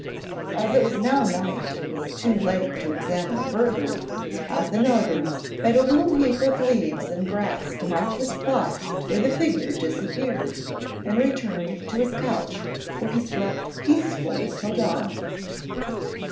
As it was now night and too late to examine further, Athenodorus made a little heap of leaves and grass to mark the spot where the figure disappeared, and returned to his couch where he slept peacefully till dawn.